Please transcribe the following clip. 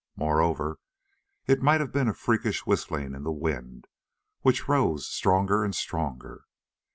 Moreover, it might have been a freakish whistling in the wind, which rose stronger and stronger.